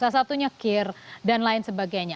salah satunya kir dan lain sebagainya